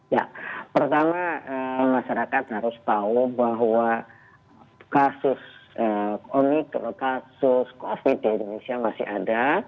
ya pertama masyarakat harus tahu bahwa kasus omikron kasus covid di indonesia masih ada